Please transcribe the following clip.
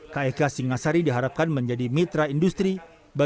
kek singasari diharapkan menjadi mitra indonesia